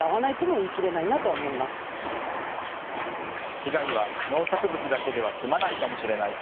被害は農作物だけでは済まないかもしれない。